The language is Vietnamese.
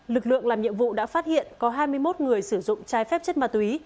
lực lượng làm nhiệm vụ đã phát hiện có hai mươi một người sử dụng trái phép chất ma túy